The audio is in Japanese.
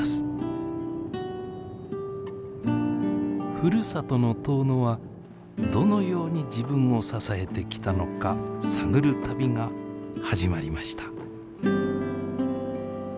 ふるさとの遠野はどのように自分を支えてきたのか探る旅が始まりました。